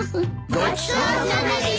ごちそうさまでした。